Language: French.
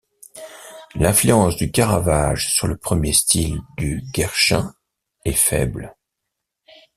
L'influence du Caravage sur le premier style du Guerchin est faible.